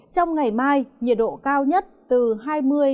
trong ngày mai nhiệt độ cao nhất từ hai mươi hai mươi năm độ